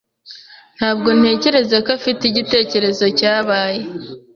Ntabwo ntekereza ko afite igitekerezo cyabaye.